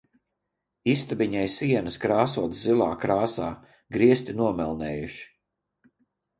Istabiņai sienas krāsotas zilā krāsā, griesti nomelnējuši.